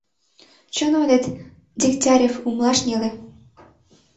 — Чын ойлет, Дегтярев: умылаш неле...